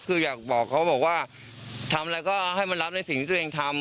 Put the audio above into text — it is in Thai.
คืออยากบอกเขาบอกว่าทำอะไรก็ให้มันรับในสิ่งที่ตัวเองทำ